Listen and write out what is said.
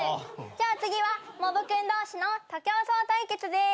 じゃあ次はモブ君同士の徒競走対決です！